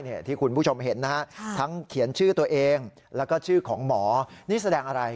ที่คุณผู้ชมเห็นนะฮะทั้งเขียนชื่อตัวเองแล้วก็ชื่อของหมอนี่แสดงอะไร